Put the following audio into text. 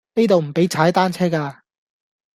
呢度唔比踩單車架